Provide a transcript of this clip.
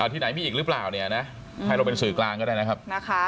ที่ไหนมีอีกหรือเปล่าเนี่ยนะให้เราเป็นสื่อกลางก็ได้นะครับ